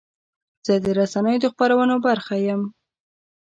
زه د رسنیو د خپرونو برخه یم.